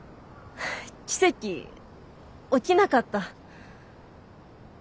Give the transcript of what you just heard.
奇跡起きなかった。